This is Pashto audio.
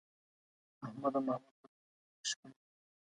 احمد او محمود تل په ټولګي کې شخړې کوي.